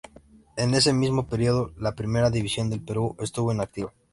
En ese mismo periodo, la Primera División del Perú estuvo inactiva.